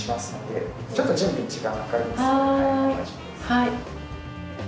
はい。